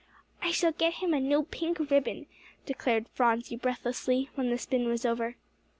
"I shall get him a new pink ribbon," declared Phronsie breathlessly, when the spin was over.